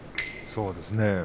そうですね。